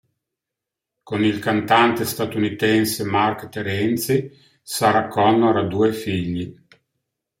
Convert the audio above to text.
Con il cantante statunitense Marc Terenzi, Sarah Connor ha due figli.